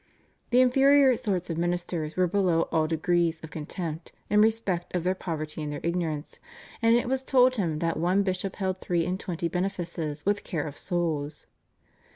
"The inferior sorts of ministers were below all degrees of contempt, in respect of their poverty and their ignorance," and it was told him that one bishop held three and twenty benefices with care of souls.